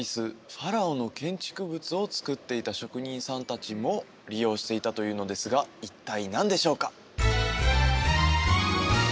ファラオの建築物を造っていた職人さん達も利用していたというのですが一体何でしょうか？